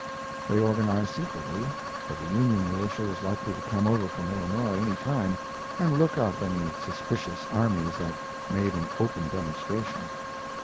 They organized secretly, for the Union militia was likely to come over from Illinois any time and look up any suspicious armies that made an open demonstration.